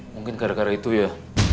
mungkin gara gara itu ya